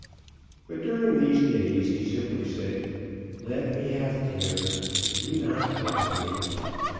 But during these days he simply said, "Let me have dinner and do not trouble me."